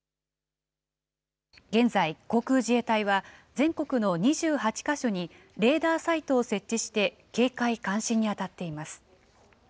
現在、航空自衛隊は、全国の２８か所にレーダーサイトを設置して、警戒監視に当たっています。